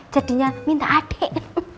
jadinya minta adik